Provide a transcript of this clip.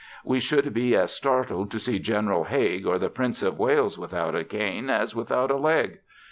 We should be as startled to see General Haig or the Prince of Wales without a cane as without a leg.